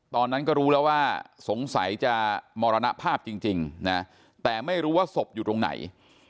ตอนนั้นก็รู้แล้วว่าสงสัยจะมรณภาพจริงนะแต่ไม่รู้ว่าศพอยู่ตรงไหน